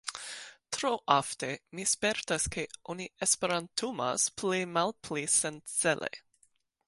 Tro ofte, mi spertas ke oni esperantumas pli-malpli sencele.